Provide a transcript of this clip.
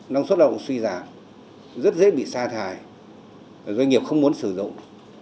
năng suất lao động suy giảm rất dễ bị sa thải doanh nghiệp không muốn sử dụng